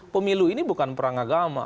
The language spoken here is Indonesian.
pemilu ini bukan perang agama